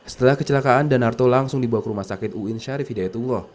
setelah kecelakaan danarto langsung dibawa ke rumah sakit uin syarif hidayatullah